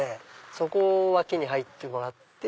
そこを脇に入ってもらって。